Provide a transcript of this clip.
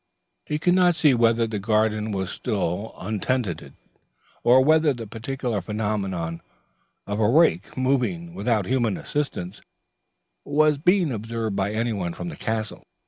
He could not see whether the garden was still untenanted, or whether the peculiar phenomenon of a rake moving without human assistance was being observed by anyone from the castle.